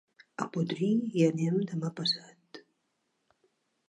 A Potries hi anem demà passat.